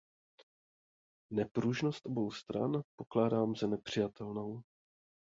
Nepružnost obou stran pokládám za nepřijatelnou.